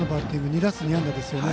２打数２安打ですよね。